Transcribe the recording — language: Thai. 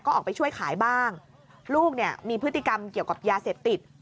ก็ออกไปช่วยขายบ้างลูกเนี่ยมีพฤติกรรมเกี่ยวกับยาเสพติด